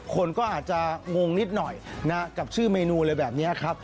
คนก็อาจจะงงนิดหน่อยนะกับชื่อเมนูอะไรแบบนี้ครับ